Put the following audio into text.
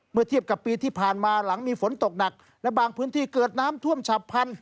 เมื่อเทียบกับปีที่ผ่านมาหลังมีฝนตกหนักและบางพื้นที่เกิดน้ำท่วมฉับพันธ